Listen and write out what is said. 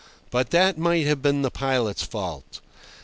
But that might have been the pilot's fault.